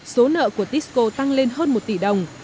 số nợ của tisco tăng lên hơn một tỷ đồng